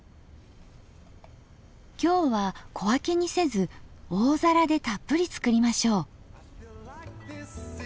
今日は小分けにせず大皿でたっぷり作りましょう。